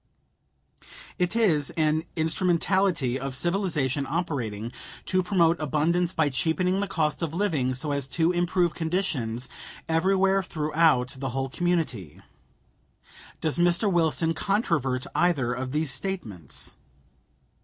It is an instrumentality of civilization operating to promote abundance by cheapening the cost of living so as to improve conditions everywhere throughout the whole community. Does Mr. Wilson controvert either of these statements?